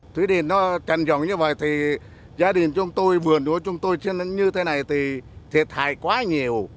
thủy điện nó trần rộng như vậy thì gia đình chúng tôi vườn của chúng tôi như thế này thì thiệt hại quá nhiều